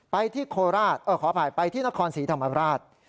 ไปที่โคราชขออภัยไปที่นครศรีธรรมราช